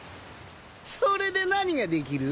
それで何ができる？